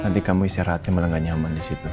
nanti kamu istirahatnya malah gak nyaman disitu